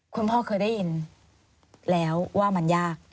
คุณพ่อเคยได้ยินแล้วว่ามันยาก